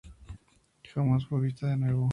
Jamás fue vista de nuevo.